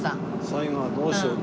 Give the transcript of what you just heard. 最後はどうしよう。